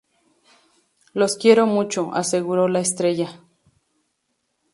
Los quiero mucho", aseguró la estrella.